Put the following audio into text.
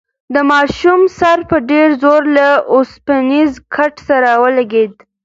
د ماشوم سر په ډېر زور له اوسپنیز کټ سره ولگېد.